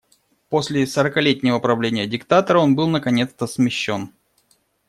После сорокалетнего правления диктатора он был наконец-то смещён.